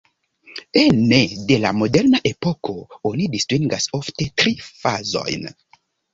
Ene de la moderna epoko oni distingas ofte tri fazojn.